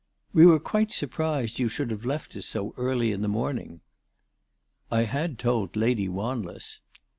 " We were quite surprised you should have left us so early that morning." " I had told Lady Waniess."